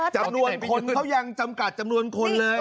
จำนวนคนเขายังจำกัดจำนวนคนเลย